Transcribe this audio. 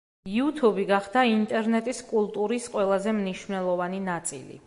იუთუბი გახდა ინტერნეტის კულტურის ყველაზე მნიშვნელოვანი ნაწილი.